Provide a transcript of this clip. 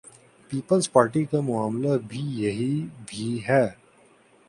Peoples Party کا معاملہ بھی یہی بھی ہے۔